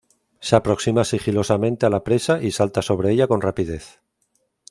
Se aproxima sigilosamente a la presa y salta sobre ella con rapidez.